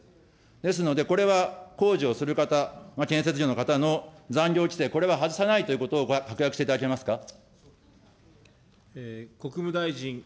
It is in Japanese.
ですので、これは工事をする方、建設業の方の残業規制、これは外さないということを確約していただけますか。